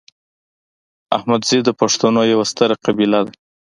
احمدزي د پښتنو یوه ستره قبیله ده